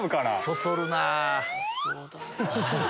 そそるなぁ。